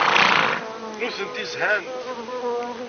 Nutenti zhant.